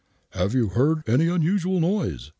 " Have you heard any unusual noise